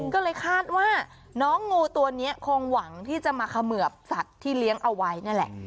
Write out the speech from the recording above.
ก็เลยคาดว่าน้องงูตัวนี้คงหวังที่จะมาเขมือบสัตว์ที่เลี้ยงเอาไว้นั่นแหละ